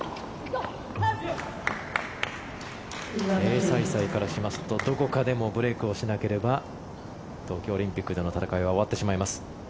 テイ・サイサイからしますとどこかでブレークをしなければ東京オリンピックでの戦いは終わってしまいます。